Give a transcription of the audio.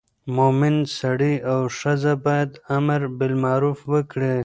مومن سړی او ښځه باید امر بالمعروف وکړي.